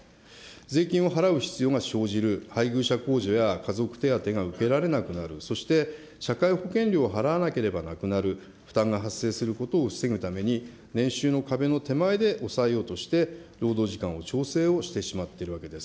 税金を払う必要が生じる配偶者控除や家族手当が受けられなくなる、そして社会保険料を払わなければなくなる負担が発生することを防ぐために、年収の壁の手前で抑えようとして、労働時間を調整をしてしまっているわけです。